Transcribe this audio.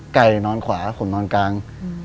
นอนขวาผมนอนกลาง